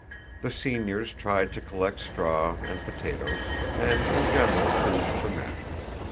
The seniors tried to collect straw and potatoes and, in general, food for the men.